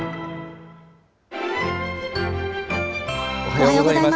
おはようございます。